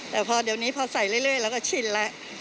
แต่พอเดี๋ยวนี้พอใส่เรื่อยเราก็ชินแล้ว